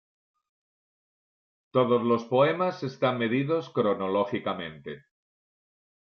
Todos los poemas están medidos cronológicamente.